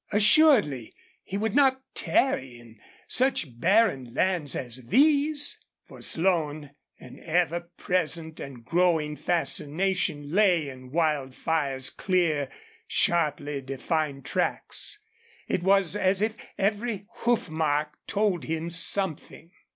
Assuredly he would not tarry in such barren lands as these. For Slone an ever present and growing fascination lay in Wildfire's clear, sharply defined tracks. It was as if every hoof mark told him something.